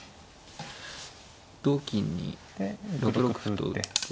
同金に６六歩と打って。